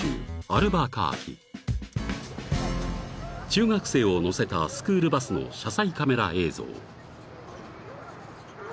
［中学生を乗せたスクールバスの車載カメラ映像］